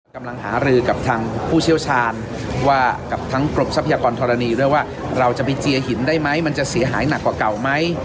กำลังหารือกับทางผู้เชี่ยวชาญว่ากับทั้งกรมทรัพยากรธรณีด้วยว่าเราจะไปเจียหินได้ไหมมันจะเสียหายหนักกว่าเก่าไหม